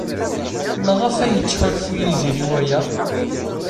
Maɣef ay yettḥulfu Yidir i waya?